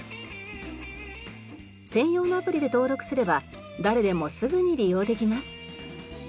専用のアプリで登録すれば誰でもすぐに利用できます。